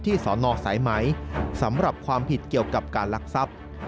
สอนอสายไหมสำหรับความผิดเกี่ยวกับการลักทรัพย์